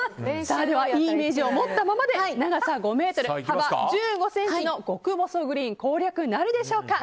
いいイメージを持ったままで長さ５ｍ、幅１５ｃｍの極細グリーン攻略なるでしょうか。